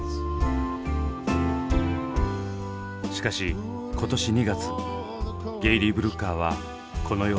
しかし今年２月ゲイリー・ブルッカーはこの世を去ります。